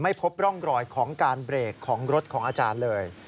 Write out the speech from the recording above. พบร่องรอยของการเบรกของรถของอาจารย์เลย